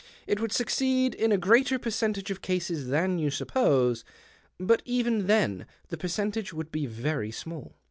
It would succeed in a greater percentage of cases than you suppose ; but even then the percentage would be very small.